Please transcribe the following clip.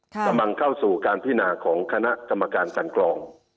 กำลังเข้าสู่การพินาของคณะกรรมการกันกรอง